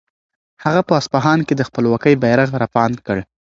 هغه په اصفهان کې د خپلواکۍ بیرغ رپاند کړ.